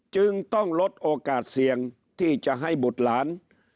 จึงต้องลดโอกาสเสี่ยงที่จะให้บุตรหลาน